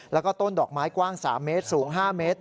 แล้วก็ต้นดอกไม้กว้าง๓เมตรสูง๕เมตร